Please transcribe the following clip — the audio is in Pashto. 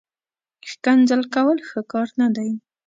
ښکنځل کول، ښه کار نه دئ